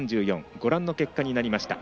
ご覧の結果になりました。